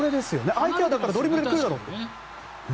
相手はドリブルで来るだろうと。